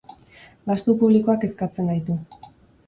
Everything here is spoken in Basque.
Gastu publikoak kezkatzen gaitu.